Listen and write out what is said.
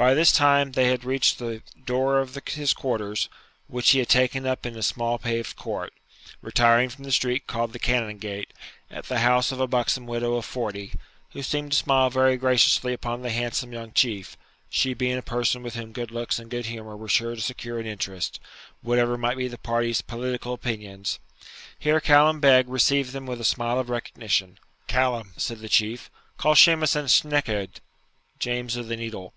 By this time they had reached the door of his quarters, which he had taken up in a small paved court, retiring from the street called the Canongate, at the house of a buxom widow of forty, who seemed to smile very graciously upon the handsome young Chief, she being a person with whom good looks and good humour were sure to secure an interest, whatever might be the party's "political opinions". Here Callum Beg received them with a smile of recognition. 'Callum,' said the Chief, 'call Shemus an Snachad' (James of the Needle).